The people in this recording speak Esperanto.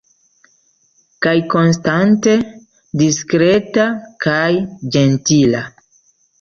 Kaj konstante diskreta kaj ĝentila.